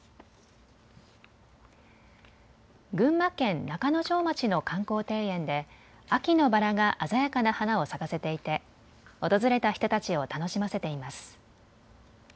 群馬県中之条町の観光庭園で秋のバラが鮮やかな花を咲かせていて訪れた人たちを楽しませています。